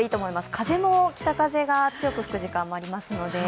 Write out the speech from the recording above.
風も北風が強く吹く時間もありますので。